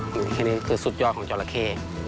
นี่แค่นี้คือสุดยอดของจอระเข้